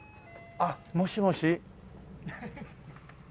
あっもしもし。